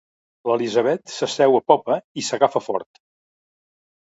L'Elisabet s'asseu a popa i s'agafa fort.